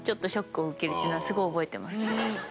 っていうのはすごい覚えてます。